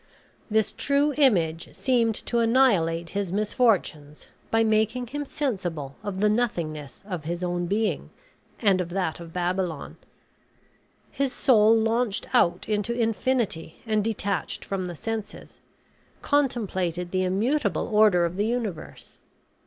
This true image seemed to annihilate his misfortunes, by making him sensible of the nothingness of his own being, and of that of Babylon. His soul launched out into infinity, and, detached from the senses, contemplated the immutable order of the universe.